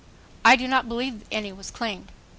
I do not believe any was claimed